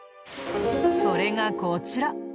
それがこちら。